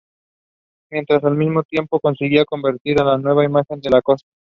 Mientras al mismo tiempo conseguía convertirse en la nueva imagen de Lacoste.